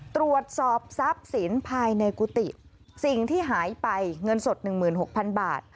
ตรวจสอบทรัพย์สินภายในกุฏิสิ่งที่หายไปเงินสด๑๖๐๐๐บาท